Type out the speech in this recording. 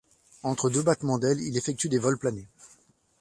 Entre deux battements d'ailes il effectue des vols planés.